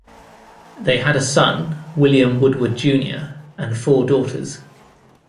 They had a son, William Woodward Junior and four daughters.